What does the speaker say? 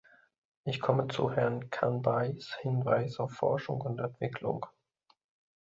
Ich komme zu Herrn Khanbhais Hinweis auf Forschung und Entwicklung.